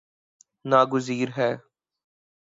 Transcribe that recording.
نا گزیر ہے